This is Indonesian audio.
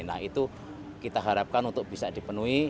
nah itu kita harapkan untuk bisa dipenuhi